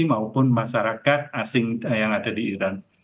maupun masyarakat asing yang ada di iran